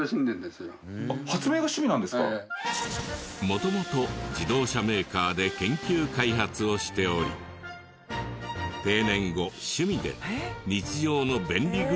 元々自動車メーカーで研究開発をしており定年後趣味で日常の便利グッズを開発。